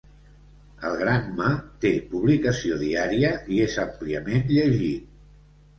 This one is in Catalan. El Granma té publicació diària i és àmpliament llegit.